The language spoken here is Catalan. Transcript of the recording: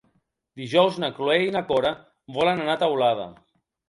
Dijous na Cloè i na Cora volen anar a Teulada.